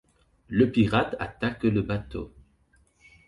le pirate attaque le bateau